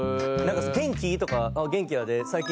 「元気？」とか「元気やで最近どうなん？」